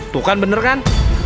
tuh kan bener kan